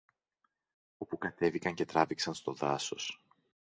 όπου κατέβηκαν και τράβηξαν στο δάσος.